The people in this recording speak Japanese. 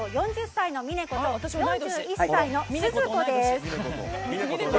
４０歳のミネコと４１歳のスズコです。